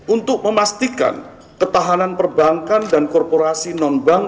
untuk memastikan ketahanan perbankan dan korporasi non bank